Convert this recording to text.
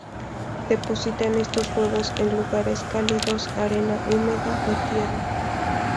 Depositan estos huevos en lugares cálidos, arena húmeda o tierra.